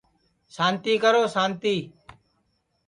سانتی کرو سانتی